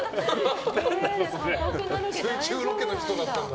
水中ロケの人だったんだ。